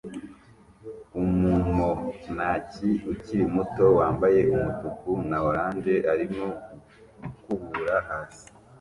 Umumonaki ukiri muto wambaye umutuku na orange arimo gukubura hasi